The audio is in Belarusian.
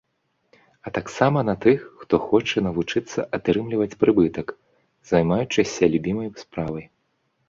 А таксама на тых, хто хоча навучыцца атрымліваць прыбытак, займаючыся любімай справай.